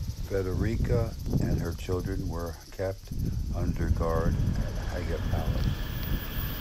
Frederica and her children were kept under guard at Haga Palace.